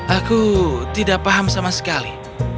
aku tidak paham sama sekali